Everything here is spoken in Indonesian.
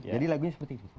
jadi lagunya seperti itu